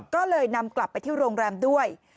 ก็เลยนำกลับไปที่โรงแรมด้วย